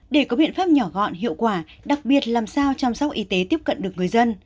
để có biện pháp nhỏ gọn hiệu quả đặc biệt làm sao chăm sóc y tế tiếp cận được người dân